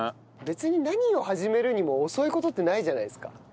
別に何を始めるにも遅い事ってないじゃないですか。